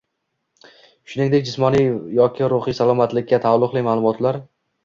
shuningdek jismoniy yoki ruhiy salomatlikka taalluqli ma’lumotlar